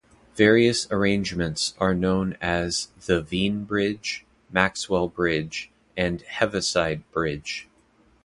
Various arrangements are known as the Wien bridge, Maxwell bridge and Heaviside bridge.